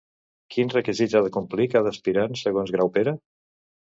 Quins requisits ha de complir cada aspirant segons Graupera?